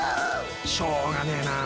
しょうがねえなあ。